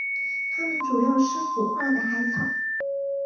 它们主要吃腐化的海草。